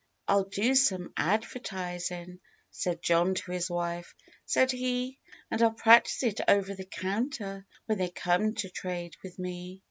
"I'll do some advertisin' " Said John to his wife, said he— "And I'll practice it over the counter When they come to trade with me."